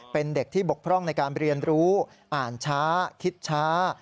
เป็นเด็กที่บกพร่องในการเรียนรู้อ่านช้าคิดช้า